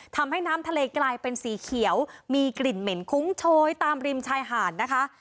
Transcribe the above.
ทำให้น้ำทะเลกลายเป็นสีเขียวมีกลิ่นเหม็นคุ้งโชยตามริมชายหาดนะคะ